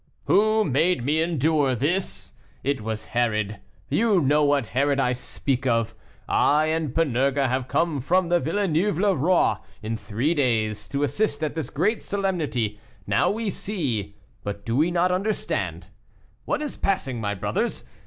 "Who made me endure this? It was Herod; you know what Herod I speak of. I and Panurge have come from Villeneuve le Roi, in three days, to assist at this great solemnity; now we see, but we do not understand. What is passing, my brothers?